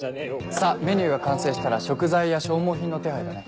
さぁメニューが完成したら食材や消耗品の手配だね。